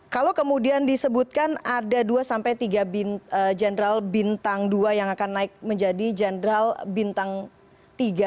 kalau kemudian disebutkan ada dua sampai tiga jenderal bintang dua yang akan naik menjadi jenderal bintang tiga